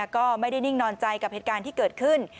ก็ไม่ได้นิ่งนอนใจกับเหตุการณ์ที่เกิดขึ้น